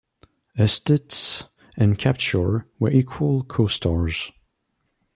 Estes and Kapture were equal co-stars.